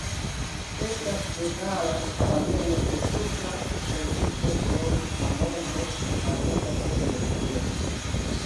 Estas detala ekzameno de tuta prediko sur la monto farita de Jesuo.